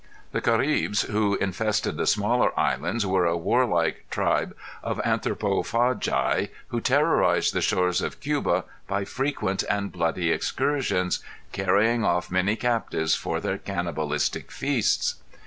The Caribes, who infested the smaller islands, were a warlike tribe of anthropophagi who terrorized the shores of Cuba by frequent and bloody excursions, carrying off many captives for their cannibalistic feasts.